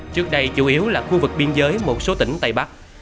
trước đây chủ yếu là khu vực biên giới một số tỉnh tây bắc